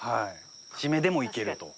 シメでもいけると。